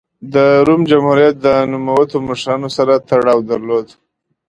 د روم جمهوریت د نوموتو مشرانو سره تړاو درلود.